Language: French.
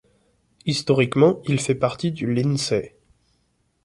Historiquement il fait partie du Lindsey.